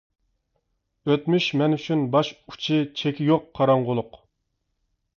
ئۆتمۈش مەن ئۈچۈن باش-ئۇچى، چېكى يوق قاراڭغۇلۇق.